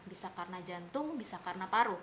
bisa karena jantung bisa karena paru